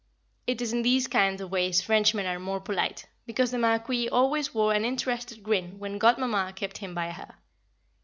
It is in these kind of ways Frenchmen are more polite, because the Marquis always wore an interested grin when Godmamma kept him by her.